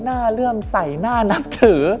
น่าเรื่องใสน่านับถือ